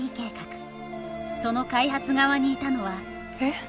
その開発側にいたのはえ？